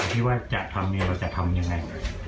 ที่ว่าจะทำเนี่ยเราจะทำยังไง